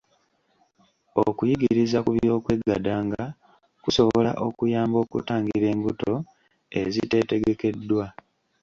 Okuyigiriza ku by'okwegadanga kusobola okuyamba okutangira embuto eziteetegekeddwa.